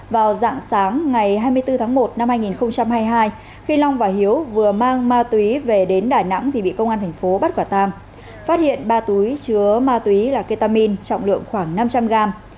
vào dạng sáng ngày hai mươi bốn tháng một năm hai nghìn hai mươi hai khi long và hiếu vừa mang ma túy về đến đà nẵng thì bị công an thành phố bắt quả tang phát hiện ba túi chứa ma túy là ketamin trọng lượng khoảng năm trăm linh gram